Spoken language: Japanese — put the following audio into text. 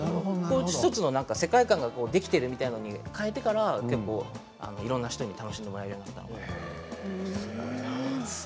１つの世界観ができているみたいなものに変えてから結構いろんな人に楽しんでもらえるようになりました。